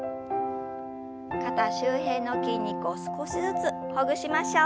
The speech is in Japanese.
肩周辺の筋肉を少しずつほぐしましょう。